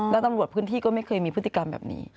แล้วตำรวจพื้นที่ก็ไม่เคยมีพฤติกรรมแบบนี้